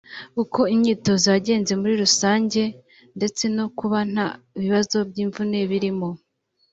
uko imyitozo yagenze muri rusange ndetse no kuba nta bibazo by’imvune birimo